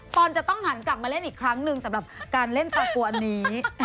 อนจะต้องหันกลับมาเล่นอีกครั้งหนึ่งสำหรับการเล่นตะกวนนี้